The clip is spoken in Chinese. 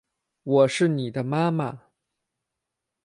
我是妳的妈妈